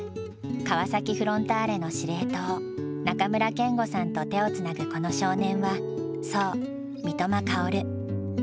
川崎フロンターレの司令塔中村憲剛さんと手をつなぐこの少年はそう三笘薫。